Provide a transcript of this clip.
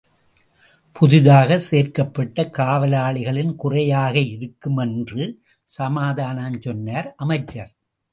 புதிதாகச் சேர்க்கப்பட்ட காவலாளிகளின் குறையாக இருக்கும் என்று சமாதானம் சொன்னார், அமைச்சர்.